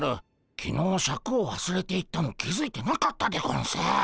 きのうシャクをわすれていったの気付いてなかったでゴンス。